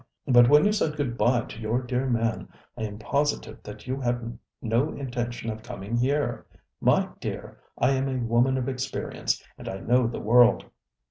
But when you said good bye to your dear man I am positive that you had no intention of coming here. My dear, I am a woman of experience, and I know the world.